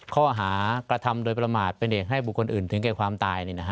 ข้อหากธรรมโดยประมาทเป็นเอกให้บุคคลอื่นถึงใกล้ความตาย